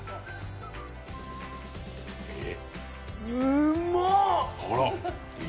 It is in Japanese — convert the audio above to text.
うまっ！